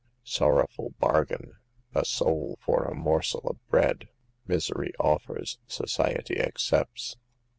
Sorrowful bargain ! A soul for a morsel of bread. Misery offers, society accepts.